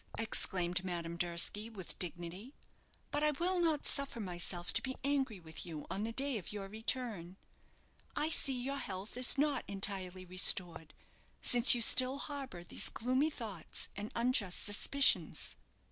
exclaimed Madame Durski, with dignity. "But I will not suffer myself to be angry with you on the day of your return. I see your health is not entirely restored, since you still harbour these gloomy thoughts and unjust suspicions."